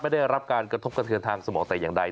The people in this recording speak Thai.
ไม่ได้ได้รับการกระทบกระทืนทางสมองเต่ยังใด